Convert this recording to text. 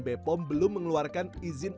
bepom belum mengeluarkan izin